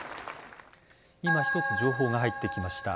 今、一つ情報が入ってきました。